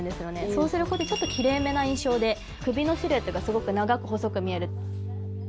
そうすることでちょっと奇麗めな印象で首のシルエットがすごく長く、細く見える。